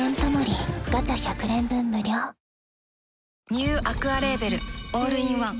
ニューアクアレーベルオールインワン